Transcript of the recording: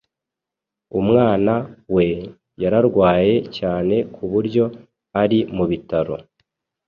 Umwana we yararwaye cyane kuburyo ari mubitaro.